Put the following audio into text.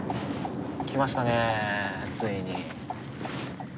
来ましたねついに。